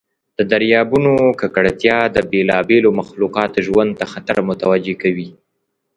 د دریابونو ککړتیا د بیلابیلو مخلوقاتو ژوند ته خطر متوجه کوي.